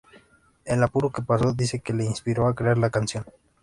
El apuro que pasó, dice que le inspiró a crear la canción.